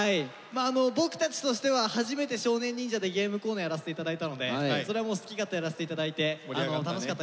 僕たちとしては初めて少年忍者でゲームコーナーやらせていただいたのでそれはもう好き勝手やらせていただいて楽しかったです。